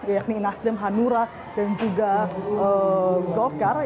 yakni nasdem hanura dan juga golkar